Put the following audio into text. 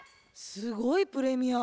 すごいプレミア。